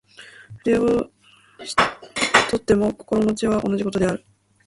筆を執とっても心持は同じ事である。